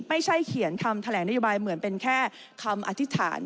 ไม่ใช่เขียนคำแถลงนโยบายเหมือนเป็นแค่คำอธิษฐาน